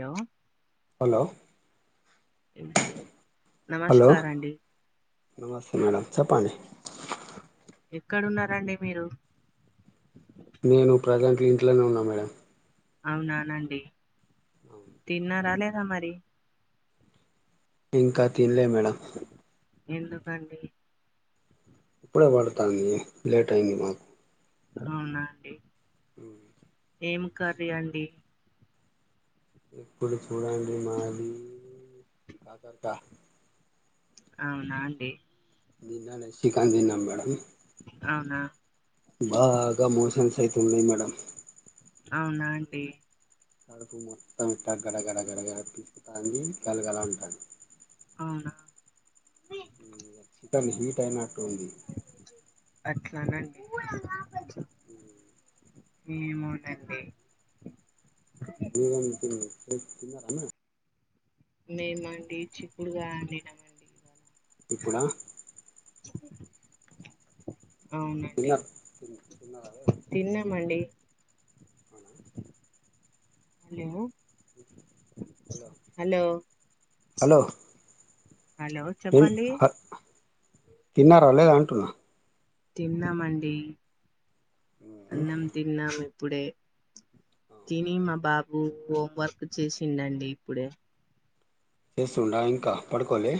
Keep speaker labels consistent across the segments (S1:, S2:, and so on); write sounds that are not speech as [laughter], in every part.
S1: ఏమో
S2: hello hello
S1: నమస్కార్ అండి
S2: నమస్తే మేడం చెప్పండి
S1: ఎక్కడున్నారండి మీరు
S2: నేను ప్రజెంట్ ఇంట్లోనే ఉన్నా మేడం
S1: అవునానండి తిన్నారా లేదా మరి
S2: ఇంకా తినలే మేడం
S1: ఎందుకండి
S2: ఇప్పుడే వండుతాంది లేట్ అయింది మాకు
S1: అవునా అండి
S2: ఊ
S1: ఏం కర్రీ అండి
S2: ఎప్పుడు కూరడండి మాది కాతర్కా
S1: అవునా అండి
S2: నిన్నా శికెన్ దిన్నాం మేడం
S1: అవునా
S2: బాగా మోషన్స్ అవుతున్నాయి మేడం
S1: అవునా అండి
S2: కడుపు మొత్తం ఇట్ట గడగడగడగడ తీప్పుతాంది గలగలా అంటాంది
S1: అవునా
S2: చికెన్ హీట్ అయినట్టు ఉంది
S1: అట్లా నా అండి
S2: ఊ
S1: ఏమో నండి
S2: మీరేం తిన్నారా అన్నం
S1: మేమండి చిక్కుడుకాయ వండిన
S2: ఇప్పుడా తిన్న
S1: అవునండి
S2: తిన్నారా లేదా
S1: తిన్నామండి
S2: అవునా
S1: hello
S2: hello
S1: hello
S2: hello
S1: hello
S2: ఏం
S1: చెప్పండి
S2: ఆ తిన్నారా లేదా అంటున్నా
S1: తిన్నమండి అన్నం తిన్నము ఇ ఇప్పుడే తిని మా బాబు హోం వర్క్ చేసిండండి ఇప్పుడే
S2: లేసుండా ఇంకా పడుకోలే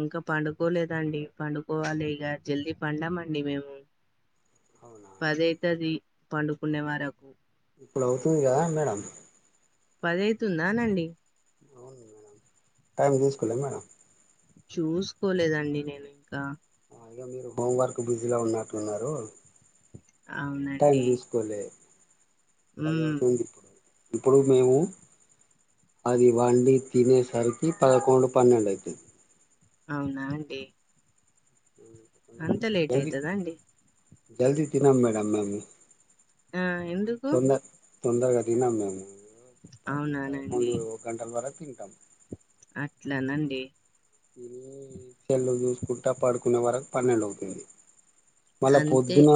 S1: ఇంకా పండుకోలేదండి పండుకోవాలి ఇగ జల్దీ పండమ అండి మేము
S2: అవునా
S1: పదైతది పండుకునే వరకు
S2: ఇప్పుడు అవుతుందిగా మేడం
S1: పదైతుందా నండి
S2: అవును మేడం టైం తీసుకోలే మేడం
S1: చూసుకోలేదండి నేను ఇంకా
S2: ఇగ మీరు హోంవర్క్ బిజీలో ఉన్నట్టున్నారు టైం
S1: అవునండి
S2: చూసు కోలే పది
S1: ఉమ్
S2: అవుతుంది ఇప్పుడు మేము అది వండి తినేసరికి పదకొండు పన్నెండు అవుతది
S1: అవునా అండి అంత లేట్
S2: జదీ
S1: అయితదా అండి
S2: జల్దీ తినం మేడం మేము
S1: ఆ ఎందుకు
S2: తొంద తొందర తినం మేం పది
S1: అవునానండి
S2: పదకొండు గంటల వరకు తింటాం
S1: అట్లానండి
S2: ఇ సెల్లు చూసుకుంటా పడుకునే వరకు పన్నెడు అవుతుంది మళ్ళా
S1: అంతే
S2: పొద్దున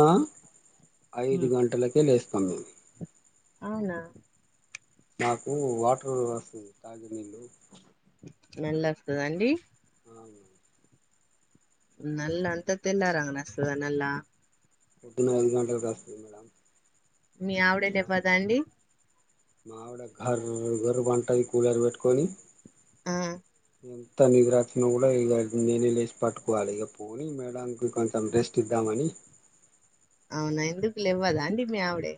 S2: ఐదు
S1: ఉమ్
S2: గంటలకే లేస్తాం మేము
S1: అవునా
S2: నాకు వాటర్ వస్తుంది తాగే నీళ్లు
S1: నల్ల వస్తుదండి
S2: అవును
S1: నల్ అంత తెల్లవారినాక వస్తాది నల్ల
S2: పొద్దున్నే ఐదు గంటలకి వస్తాది మేడం
S1: మీ ఆవిడ
S2: మా
S1: లేవ్వదా అండి
S2: మావిడ కర్రు గుర్ అంటాది కూలర్ పెట్టుకొని
S1: ఆ
S2: ఎంత నిద్రవచ్చి కూడా ఇక నేనే లేచి పట్టుకోవాలి ఇక పోని మేడంకి కొంచెం రెస్ట్ ఇద్దాం అని
S1: అవునా ఎందుకు లెవ్వదా అండి మీ ఆవిడే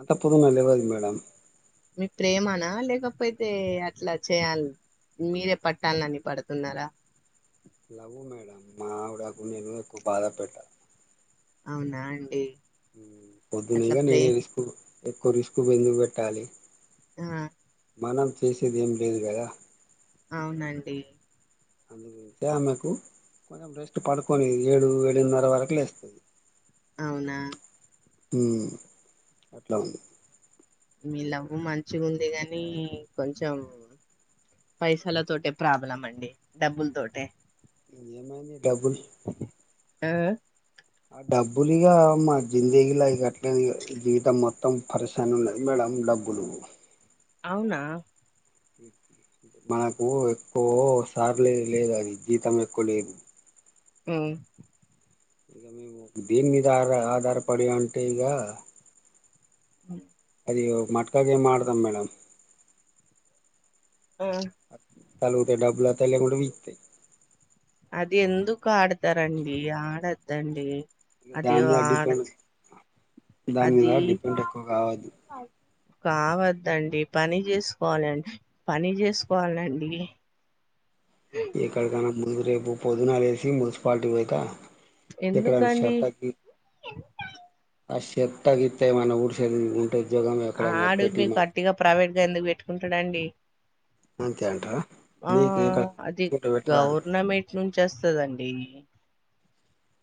S2: అంత పోదునే లేవ్వదు మేడం
S1: మీకు ప్రేమనా లేకపోయితే అట్లా చేయాలి మీరే పట్టాల అని పడుతున్నారా
S2: లవ్వు మేడం మా ఆవిడకు నేను ఎక్కువ బాధ పెట్టా
S1: అవునా అండి అట్లా
S2: పొద్దునీగా
S1: ప్రే
S2: నేనే రిస్క్ ఎక్కువ రిస్క్ ఎందుకు పెట్టాలి
S1: ఆ
S2: మనం చేసేది ఏం లేదు కదా
S1: అవునండి
S2: అందుకే ఆమెకు కొంచెం రెస్ట్ పడుకొని ఏడు ఏడున్నర్ర వరకులేస్
S1: అవునా
S2: ఉ అట్లా ఉంది
S1: మీ లవ్వు మంచిగా ఉంది కాని కొంచెం పైసల తోటే ప్రాబ్లం అండి డబ్బుల తోటే
S2: ఏమైంది డబ్బులు
S1: ఆ
S2: ఆ డబ్బులుగా మా జిందేగిలా ఇక అట్ల జీవితం మొత్తం మొత్తం పరేసాని ఉన్నది మేడం డబ్బులు
S1: అవునా
S2: మాకు ఎక్కువ సార్లు లే లేదుఅది జీతం ఎక్కువ లేదు
S1: హ
S2: ఇగ మేము దీని మీద ఆ అరా ఆధారపడి అంటే ఇగ
S1: అ
S2: అది మట్కా గేం ఆడదాం మేడం
S1: ఆ
S2: కలుగుతే డబ్బులు వత్తాయ్ లేకుంటే పీకుతయ్
S1: అది ఎందుకు ఆడతారండి ఆడద్దండి
S2: ఇగ
S1: అదో
S2: దాని మీద
S1: ఆడు
S2: డిపెండ్ దాని మీద
S1: అది
S2: డిపెండ్ ఎక్కువ కావద్దు
S1: కావద్దండి పని జేసుకోవాలం పని జేసుకోవాలండి
S2: ఎక్కడికైనా ముగు రేపు పొద్దునాలేసి మున్సిపాలిటీ పోయిక ఇక్కడ ఏమన్నా
S1: ఎందుకండి
S2: చెత్త గి ఆ చెత్త గిత్త ఏమైనా వుడ్సేది ట జాగ
S1: ఆడు మీకు గట్టిగా ప్రైవేట్గా ఎందుకు పెట్టుకుంటాడండి
S2: అంతే అంటారా
S1: ఆ
S2: మీకు ఇక్కడ
S1: అది
S2: తెలిసుంటే పెట్టరాదు
S1: గవర్నమెంట్ నుంచి వస్తదండి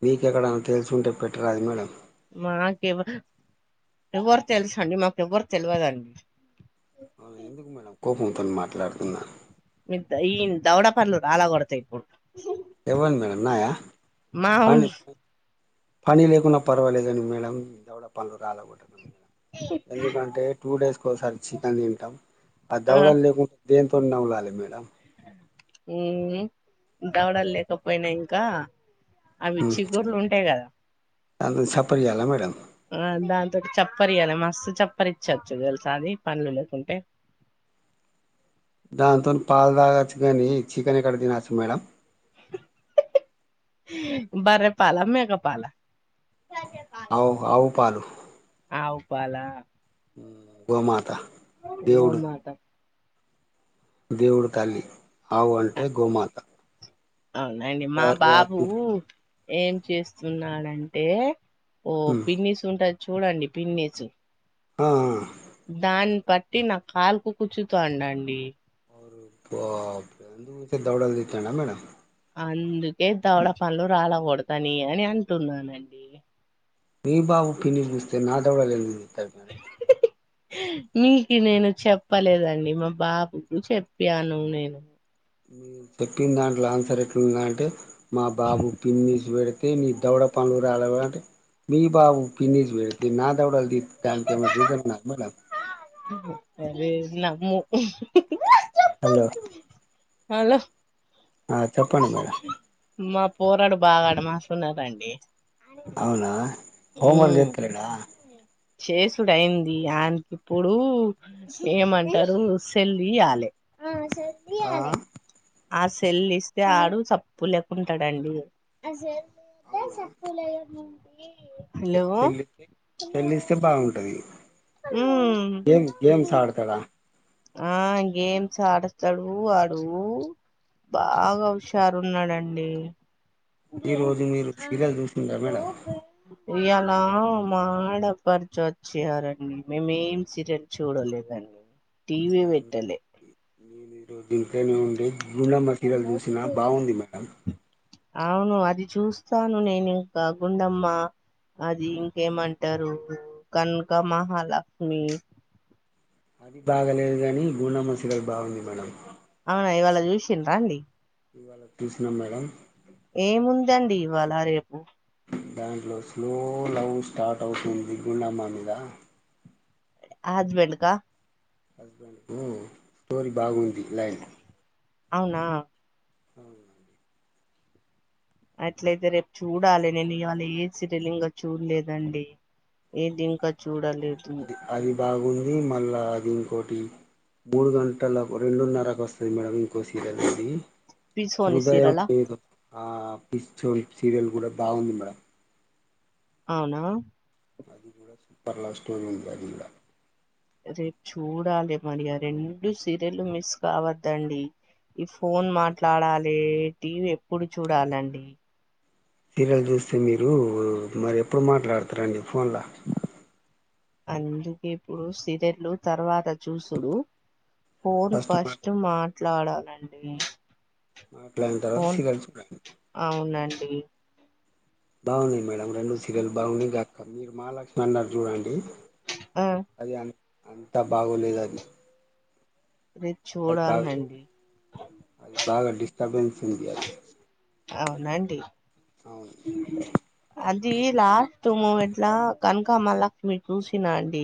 S2: మీకు అక్కడ తెలుసు ఉంటే పెట్టరాదు మేడం
S1: మాకెవ ఎవ్వరు తెలుస అండి మాకు ఎవరు తెల్వదండి
S2: అవును ఎందుకు మేడం కోపంతో మాట్లాడుతున్నా
S1: మీ ఈ దవడపండ్లు రాల కొడతాయి ఇప్పుడు
S2: ఎవన్ ఉన్నాయా ప
S1: మావుని
S2: పని లేకుం పర్వాలేదని మేడం ఇంత కూడా దవడ పండ్లు రాల కొట్ట ఎందుకంటే టూ డేస్ కోసారి చికెన్ తింటాం అ
S1: ఆ
S2: దవడ లేకుం దేంతో నవ్వాలి మేడం
S1: ఉ దవడలు లేకపోయినా ఇంకా అవి చిగుర్లు ఉంటయి కదా
S2: అందుకు చప్పరియాల మేడం
S1: ఆ దాంతో చప్పరియాలి మస్తు చప్పరి ఇచ్చచ్చు తెలుస అది పనులు లేకుంటే
S2: దానితోని పాలు తాగచ్చు కానీ చికెన్ ఎక్కడ తినచ్చు మేడం
S1: బర్రె పాల మేక పాల
S2: అవు అవు పాలు
S1: ఆవు పాల
S2: గోమాత దేవుడు
S1: గోమాత
S2: దేవుడు తల్లి ఆవు అంటే గోమాత
S1: అవునండి మా
S2: బర్రె
S1: బాబు
S2: అద్దు
S1: ఏం చేస్తున్నాడంటే ఓ
S2: హ్మ్
S1: పిన్నిస్ ఉంటది చూడండి పిన్నిస్
S2: ఆ
S1: దాన్ని బట్టి నా కాలుకు [unintelligible]
S2: [unintelligible]
S1: అందుకే దవడ పలు రాలకూడతానని అంటున్నానండి
S2: మీ బాబు పిని చూస్తే నా దొడాలస్తారు మేడం
S1: మీకు నేను చెప్పలేదండి మా బాబుకు చెప్పాను నేను
S2: మీ చెప్పిన దాంట్లో ఆన్సర్ ఎట్లుందా అంటే మా బాబు పిన్ని [unintelligible] పెడితే దవడ పనులు అంటే మీ బాబు [unintelligible]
S1: అరే [unintelligible]
S2: హలో
S1: హలో
S2: ఆ చెప్పండి మేడం
S1: మా పోరాడు [unintelligible]
S2: అవునా హోమ్ వర్క్
S1: ఉమ్
S2: చేత లేడా
S1: చేసుడు అయింది ఆయకి ఇప్పుడు ఏమంటారు సెల్ ఇయ్యలే
S2: ఆ
S1: ఆ సెల్లు ఇస్తే ఆడు [unintelligible] లేకుంటాడండి [unintelligible] హలో
S2: [unintelligible] ల్లిస్తే సేల్లిస్తే బాగుంటది
S1: ఉ
S2: గేమ్ గేమ్స్ ఆడుతాడ
S1: ఆ గేమ్స్ ఆడతడు ఆడు బాగ హుషారు ఉన్నాడండి
S2: ఈ రోజు మీరు [unintelligible] మేడం
S1: ఇయాల మాడపరిచి ఒచ్చారండి మేమేం సీరియల్ చూడలేదండ్ టీవీ [unintelligible] ట్టలే
S2: నేనిరోజ్ దింట్లనే ఉండి గుండమ్మ సీరేల్ జూశిన బాగుంది మేడం
S1: అవును అది చూస్తాను నేనింక గుండమ్మ అది ఇంకేమంటరు కనక మహాలక్మి
S2: అది బాగలేదు గాని గుండమ సీరియల్ బాగుంది మేడం
S1: ఆ ఇవాళ చూశిండ్ర అండి
S2: ఇవాళ తూసిన మేడం
S1: ఏముందండి ఇవాళ రేపు
S2: దాంట్లో స్లో లవ్ స్టార్ట్ అవుతుంది గుండమ మీద
S1: హస్బెండ్గ
S2: హస్బెండ్కు [unintelligible] బాగుంది లైన్
S1: అ [unintelligible]
S2: అవునండి
S1: అట్లయితే రేప్ చూడాలె నేను ఇయాళ ఏ సిరేల్ ఇంగ చూల్లేదండీ ఏదింక
S2: అది
S1: చూడలేదూ
S2: అది అది బాగుంది మళ్ళా అది ఇంకోటీ మూడు గంటలకు రెండున్నరకు ఒస్తది మేడం ఇంకోసీరెల్ అదీ
S1: పిసోని
S2: హృదయం
S1: సీరలా
S2: ఏదో ఆ పిస్చోరిక్ సీరియల్ గూడ బాగుంది మేడ
S1: అవునా
S2: అది గూడా సూపర్ లవ్ స్టోరీ ఉంది అది గూడా
S1: రేప్ చూడాలె మరీ ఆ రెండు సీరియల్లు మిస్ కావద్దండీ ఈ ఫోన్ మాట్లాడాలే టీవి ఎప్పుడు చూడాలండి
S2: తీరెల్ జూస్తే మీరూ మరి ఎప్పుడు మాట్లాడతరండి ఫోన్ల
S1: అందుకే ఇప్పుడు సీరెల్లు తర్వాత చూస్తురూ ఫోన్
S2: ఫస్ట్ మా
S1: ఫస్టు మాట్లాడాలండీ
S2: అట్లంటరా సీరల్ చూడాలి
S1: అవునండీ
S2: బావుంది మేడం రెండు సీరియల్ బాగున్నీ గాకపోని మీరు మహాలక్ష్మి అన్నారు జూడండీ
S1: ఆ
S2: అది అన్ అంత బాగోలేదది
S1: రెత్
S2: అవి కావు బాగ డిస్టబెన్స్ ఉంది ఇయాల
S1: అవునా అండి
S2: అవును
S1: అదీ లాస్ట్ మూమెంట్లా కనక మాలక్ష్మి చూసిందా అండీ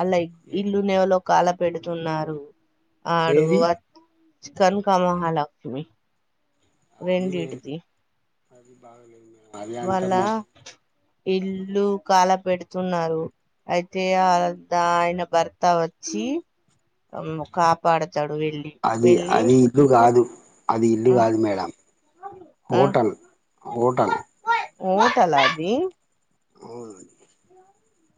S1: అ లైక్
S2: ఏ
S1: ఇల్లు నేలో కాల పెడుతున్నారూ ఆడూ
S2: ఏది
S1: అద్ చ్ కనక మహాలక్ష్మి
S2: అదీయేక్
S1: రెండిటిది
S2: అది బాగా లేద్ మే
S1: వాళ్లా ఇల్లు కాల పెడుతున్నారు అయితే ఆ దా ఆయన బర్త్ త వచ్చీ అమ్ము కాపాడతాడు వెళ్ళి
S2: అది
S1: వెళ్ళి
S2: అదీ ఇప్పుడు గాదు అది ఇల్లు
S1: ఆ
S2: గాదు మేడం హోటల్ హోటల్
S1: హోటలా అదీ
S2: అవున్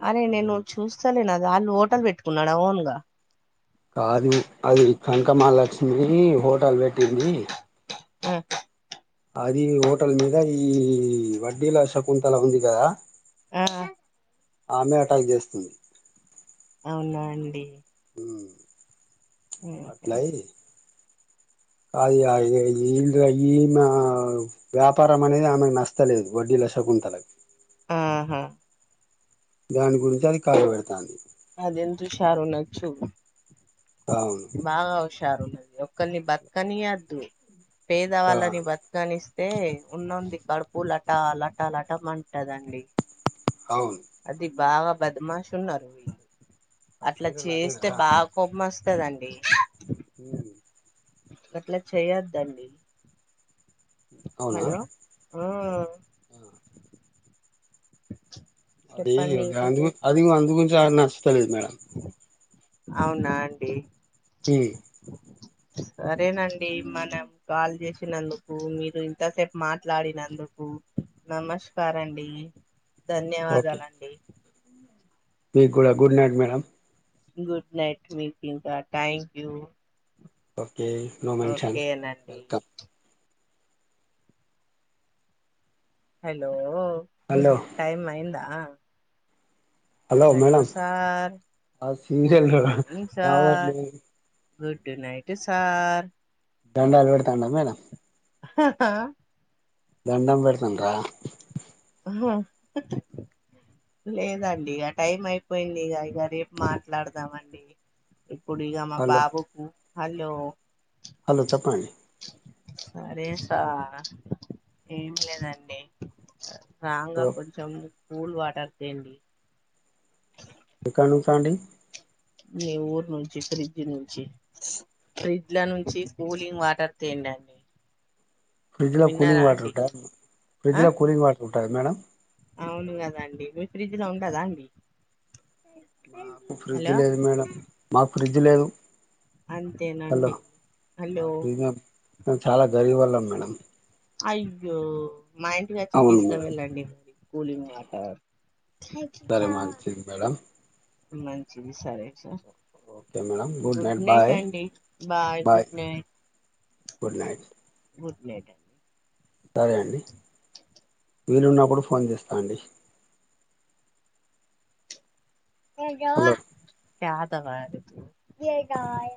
S1: అరే నేను చూస్తలేను అది ఆళ్ళు హోటల్ పెట్టుకున్నాడ ఓన్ గా
S2: కాదూ అది కనకమహాలక్ష్మి హోటల్ పెట్టిందీ.
S1: ఉ
S2: అదీ హోటల్ మీద ఈ వడ్డీల శకుంతల ఉంది గదా
S1: ఊ ఉ
S2: ఆమె అటాక్ చేస్తుంది.
S1: అవునా అండీ
S2: మ్
S1: ఉహు
S2: అట్లయ్ అది కాదులే ఈమ్ర ఈమా వ్యాపారం అనేది ఆమెకి నస్తలేదు వడ్డీల శకుంతలకి
S1: ఆహా
S2: దాని గురించి అది కాలు పెడతాంది.
S1: అదేంతుషార్ ఉన్నచ్చూ
S2: ఆ
S1: బాగా హుషారు ఒకరిని బతకనియద్దు పేద వాళ్ళని బతక కనిస్తే ఉన్ననొనుధి కడుపు లట లట లట అంటదండి
S2: అవును
S1: అది బాగా బద్మాష ఉన్నారు
S2: ఆ
S1: అట్లా
S2: సీరియల్ అదే
S1: చేస్తే
S2: కదా
S1: బాగా కొపం వస్తధండి
S2: ఉం
S1: అట్లా చేయొద్దండి
S2: అవునా
S1: హలో ఆ
S2: అది
S1: చెప్పండి ఇంకా
S2: అది అందు గురించి నచ్చతలేదు మేడం
S1: అవునా అండి
S2: ఈ
S1: సరేనండి మన కాల్ చేసినందుకు మీరు ఇంతసేపు మాట్లాడినందుకు నమస్కార్ అండి ధన్యవాదాలండి
S2: మీ కూడా good night madam
S1: good night meet ఇంకా thank you
S2: okay no mention
S1: ఓకేనండి
S2: వెల్కమ్
S1: హలో
S2: హలో
S1: టైమ్ అయిందా హలో సార్
S2: ఆ
S1: గుడ్
S2: సీరియల్
S1: మార్నింగ్ సార్
S2: రావట్లేదు
S1: గుడ్ నైట్ సార్
S2: దండాలు పెడతాండా మేడం
S1: హా హా
S2: దండం పెడతనరా
S1: ఆహా లేదండి ఆ టైం అయిపోయింది ఇగా ఇగా రేపు మాట్లాడదామండి ఇప్పుడు ఇగా మా
S2: హలో
S1: బాబుకు హలో
S2: హలో చెప్పండి
S1: సరే సార్ ఏమి లేదండి రాంగా కొంచెం కూల్ వాటర్ తెండి
S2: ఎక్కడ నుంచి అండి
S1: మీ ఊర్ నుంచి ఫ్రిడ్జ్ నుంచి ఫ్రిడ్జ్ల నుంచి కూలింగ్ వాటర్ తేండండి
S2: ఫ్రిడ్జ్లో కూలింగ్
S1: విన్నారా
S2: వాటర్
S1: అండి
S2: ఉంటాయా
S1: ఆ
S2: ఫ్రిడ్జ్లో కూలింగ్ వాటర్ ఉంటాయా మేడం
S1: అవును కదండి మీ ఫ్రిడ్జ్ లో ఉండదా అండి
S2: నాకు ఫ్రిడ్జ్
S1: హలో
S2: లేదు మేడం మాకు ఫ్రిడ్జ్ లేదు హలో
S1: అంతేనండి
S2: మా
S1: హలో
S2: ఫ్రిజ్ [unintelligible] చాలా గరీబ్ వాళ్లం మేడం
S1: అయ్యో మా ఇంటికి వచ్చి
S2: అవును
S1: తీసుక
S2: మేడం
S1: వెళ్ళండి అండి కూలింగ్ వాటర్
S2: సరే మంచిది మేడం
S1: మంచిది సరే సరే
S2: okay madam
S1: good night
S2: bye
S1: అండి bye good night
S2: good night
S1: good night
S2: సరే అండి వీలున్నప్పుడు ఫోన్ చేస్తా అండి
S1: ఎ జావా
S2: హలో
S1: క్యా ధాబాయరే తు ఏ దాబాయ